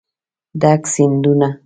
ډک سیندونه